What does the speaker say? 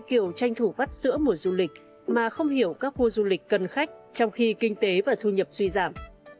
kiểu tranh thủ vắt sữa mùa du lịch mà không hiểu các khu du lịch cần khách trong khi kinh tế và thu nhập suy giảm